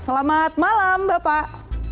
selamat malam bapak